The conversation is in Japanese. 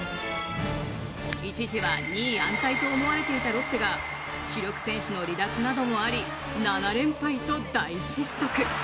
一時は２位安泰と思われていたロッテが主力選手の離脱などもあり７連敗と大失速。